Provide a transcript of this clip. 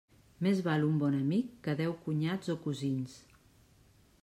Més val un bon amic que deu cunyats o cosins.